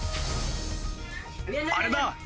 あれだ！